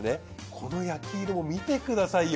この焼き色を見てくださいよ。